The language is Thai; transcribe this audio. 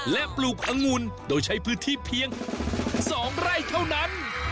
และปลูกอังุ่นโดยใช้พื้นที่เพียง๒ไร่เท่านั้น